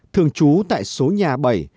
thường trú tại số nhà bệnh